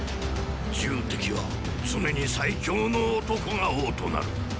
戎は常に最強の男が王となる。